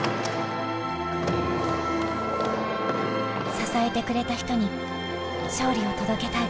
支えてくれた人に勝利を届けたい。